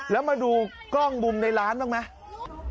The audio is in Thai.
แล้วมาดูกล้องมุมในร้านบ้างไหม